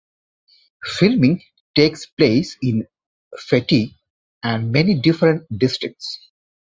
Filming takes place in Fatih and many different districts.